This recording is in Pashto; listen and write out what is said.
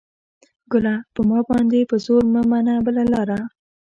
ګله ! په ما باندې په زور مه منه بله لاره